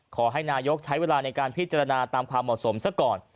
ขอให้นายกใช้เวลาในการพิจารณาตามความเหมาะสมซะก่อน